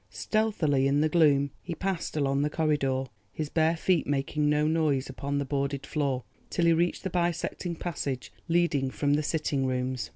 Stealthily in the gloom he passed along the corridor, his bare feet making no noise upon the boarded floor, till he reached the bisecting passage leading from the sitting rooms.